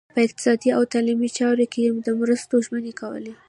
په اقتصادي او تعلیمي چارو کې د مرستو ژمنې کولې.